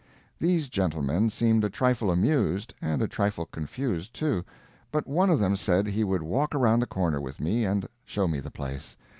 These gentlemen seemed a trifle amused and a trifle confused, too but one of them said he would walk around the corner with me and show me the place.